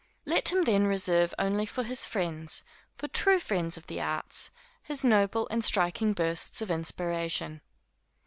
Let him, then, reserve only for his friends, for true friends of the arts, his noble and striking bursts of inspiration.